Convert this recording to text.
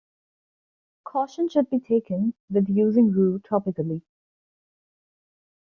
Caution should be taken with using rue topically.